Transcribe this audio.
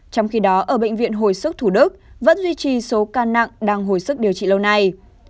trong khi đó ở bệnh viện hồi sức thủ đức vẫn duy trì số ca nặng đang hồi sức điều trị lâu nay